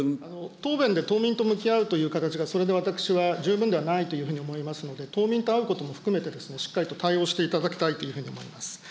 答弁で島民と向き合うという形が、それで私は十分ではないというふうに思いますので、島民と会うことも含めて、しっかりと対応していただきたいと思います。